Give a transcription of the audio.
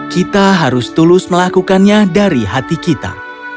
kita harus tulus melakukannya dari hati kita